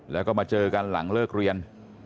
แล้วก็มาเจอกันหลังเลิกเรียน